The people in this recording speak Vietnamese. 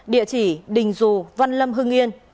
địa chỉ đình dù văn lâm hương yên